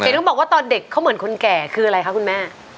แล้วตอนเด็กเขาเหมือนคนแก่คืออะไรคะคุณแม่